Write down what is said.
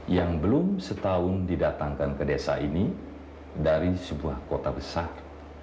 yang belum setahun didatangkan ke desa ini dari sebuah kota besar